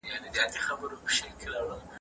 زه به دا باغچه تاته ډالۍ کړم.